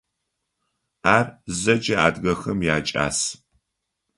Ар зэкӏэ адыгэхэм якӏас.